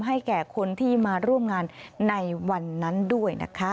ให้แก่คนที่มาร่วมงานในวันนั้นด้วยนะคะ